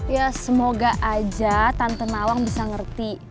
ya semoga aja tante nawang bisa ngerti